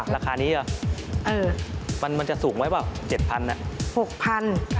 ราคานี้หรือมันจะสูงไว้ป่ะ๗๐๐๐บาทน่ะ